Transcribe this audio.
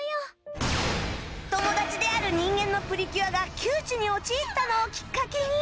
友達である人間のプリキュアが窮地に陥ったのをきっかけに